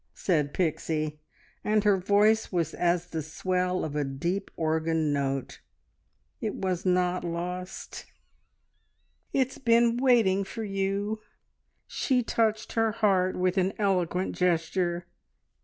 said Pixie, and her voice was as the swell of a deep organ note. "It was not lost. It's been waiting for you " she touched her heart with an eloquent gesture "here!"